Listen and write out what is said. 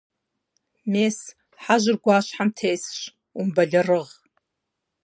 Мес, хьэжьыр гъуащхьэм тесщ, умыбэлэрыгъ.